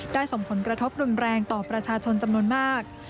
ส่งผลกระทบรุนแรงต่อประชาชนจำนวนมาก